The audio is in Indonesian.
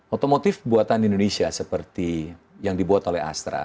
otomotif buatan indonesia seperti yang dibuat oleh astra